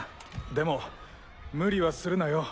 でも無理はするなよ。